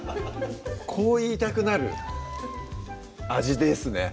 こう言いたくなる味ですね